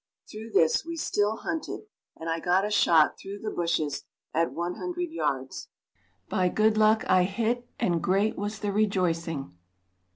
Through this we still hunted and I got a shot through the bushes at 100 yards. By good luck I hit and great was the rejoicing.